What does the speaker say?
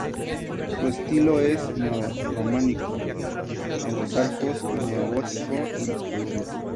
Su estilo es neo-románico en los arcos y neo-gótico en las columnas.